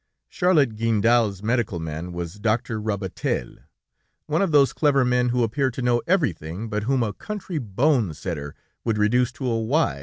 Charlotte Guindal's medical man was Doctor Rabatel, one of those clever men who appear to know everything, but whom a country bone setter would reduce to a "why?"